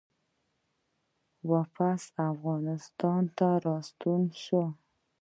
واپس افغانستان ته ستون شو